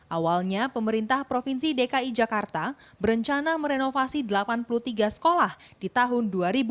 awalnya pemerintah provinsi dki jakarta berencana merenovasi delapan puluh tiga sekolah di tahun dua ribu dua puluh